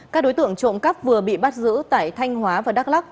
các đối tượng trộm cắp vừa bị bắt giữ tại thanh hóa và đắk lắc